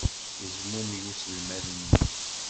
Yezmumeg uselmad-nni.